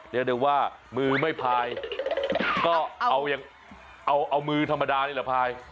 เรียกได้ว่ามือไม่พายก็เอายังเอามือธรรมดานี่แหละพาย